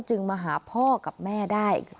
มาหาพ่อกับแม่ได้